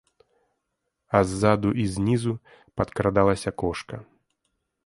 А ззаду і знізу падкрадалася кошка.